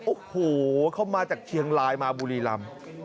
โอ้โหเขามาจากเชียงรายมาบุรีรำ